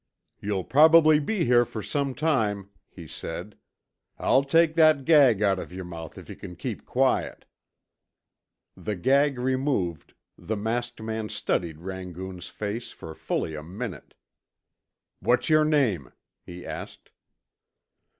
"You'll probably be here for some time," he said. "I'll take that gag out of your mouth if you can keep quiet." The gag removed, the masked man studied Rangoon's face for fully a minute. "What's your name?" he asked.